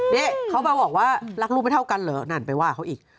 นี่เขามาบอกว่ารักลูกไม่เท่ากันเหรอนั่นไปว่าเขาอีก